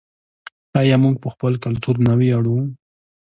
آیا موږ په خپل کلتور نه ویاړو؟